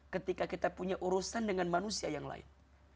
ketika kita punya urusan dengan manusia yang lain